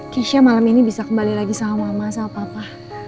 kisha malam ini bisa kembali lagi sama mama sama papa